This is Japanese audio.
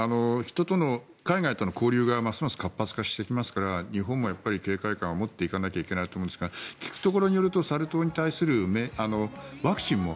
海外との交流がますます活発化してきますから日本もやっぱり警戒感を持っていかなきゃいけないと思いますが聞くところによるとサル痘に対するワクチンも